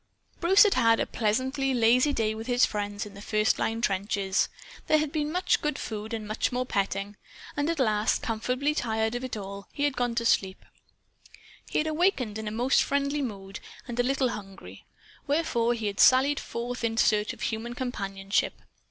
Bruce had had a pleasantly lazy day with his friends in the first line trenches. There had been much good food and more petting. And at last, comfortably tired of it all, he had gone to sleep. He had awakened in a most friendly mood, and a little hungry. Wherefore he had sallied forth in search of human companionship.